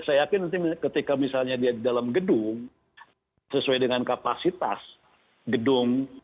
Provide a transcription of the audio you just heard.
saya yakin nanti ketika misalnya dia di dalam gedung sesuai dengan kapasitas gedung